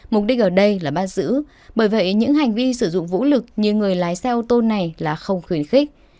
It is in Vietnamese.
mục đích ở đây là bắt giữ bởi vậy những hành vi sử dụng vũ lực như người lái xe ô tô này là không khuyến khích